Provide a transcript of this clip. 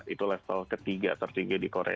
itu level ketiga tertinggi di korea